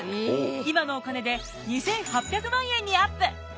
今のお金で２，８００万円にアップ！